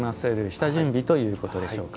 下準備ということでしょうか。